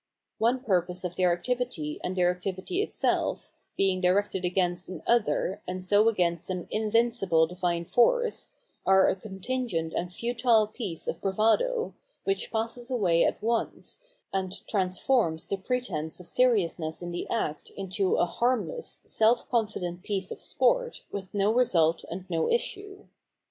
One purpose of their activity and their activity itself, being directed against an " other " and so against tJie Spiritual Worh of Art 743 an invincible divine force, are a contingent and futile piece of bravado, wliicb passes away at once, and trans forms tbe pretence of seriousness in tbe act into a harmless, self confident piece of sport with no result and no issue.